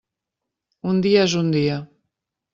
Un dia és un dia.